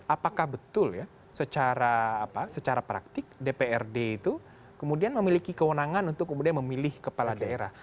apakah betul ya secara praktik dprd itu kemudian memiliki kewenangan untuk kemudian memilih kepala daerah